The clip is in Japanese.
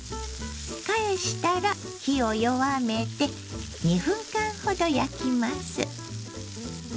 返したら火を弱めて２分間ほど焼きます。